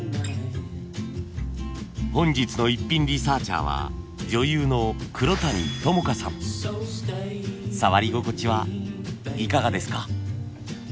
本日のイッピンリサーチャーは女優の触り心地はいかがですか？